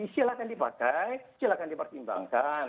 silahkan dipakai silahkan dipertimbangkan